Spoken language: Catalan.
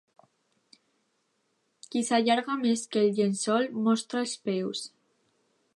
Qui s'allarga més que el llençol, mostra els peus.